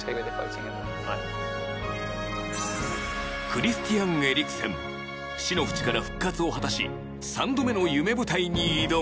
クリスティアン・エリクセン死の淵から復活を果たし３度目の夢舞台に挑む。